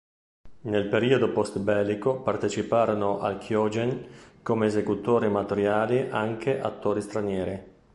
Nel periodo post bellico parteciparono al kyōgen come esecutori amatoriali anche attori stranieri.